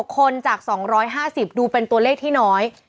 คนจาก๒๕๐ดูเป็นตัวเลขที่น้อย